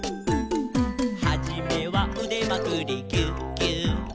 「はじめはうでまくりギューギュー」